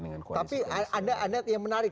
dengan kualitas tapi anda anda yang menarik